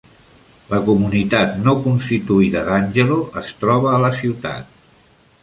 La comunitat no constituïda d'Angelo es troba a la ciutat.